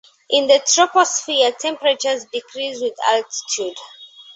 In the troposphere, temperatures decrease with altitude.